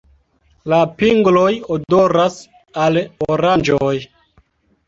La pingloj odoras al oranĝoj.